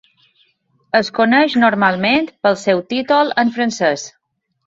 Es coneix normalment pel seu títol en francès.